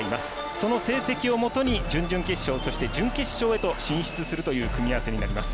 その成績をもとに準々決勝、準決勝へと進出するという組み合わせになります。